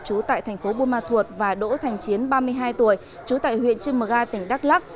trú tại thành phố bùi ma thuột và đỗ thành chiến ba mươi hai tuổi trú tại huyện trưng mơ ga tỉnh đắk lắc